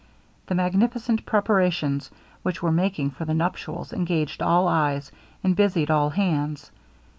The magnificent preparations which were making for the nuptials, engaged all eyes, and busied all hands.